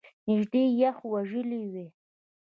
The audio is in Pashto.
نژدې یخ وژلی وای !